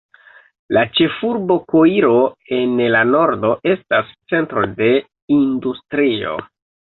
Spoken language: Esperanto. La ĉefurbo Koiro en la nordo estas centro de industrio.